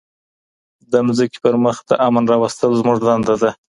د مځکي پر مخ د امن راوستل زموږ دنده ده.